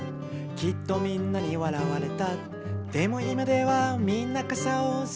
「きっとみんなにわらわれた」